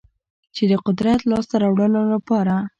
چې د قدرت لاسته راوړلو لپاره